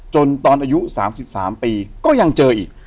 ตอนอายุ๓๓ปีก็ยังเจออีก